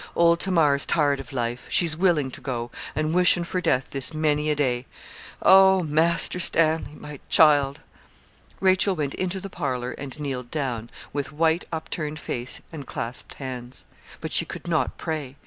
Old Tamar's tired of life; she's willing to go, and wishin' for death this many a day. Oh! Master Stanley, my child!' Rachel went into the parlour and kneeled down, with white upturned face and clasped hands. But she could not pray.